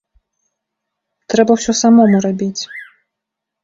Трэба ўсё самому рабіць.